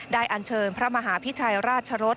อันเชิญพระมหาพิชัยราชรส